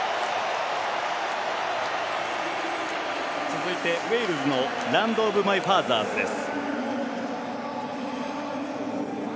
続いて、ウェールズの「ランドオブマイファーザーズ」です。